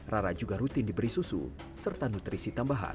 rara juga rutin diberi susu serta nutrisi tambahan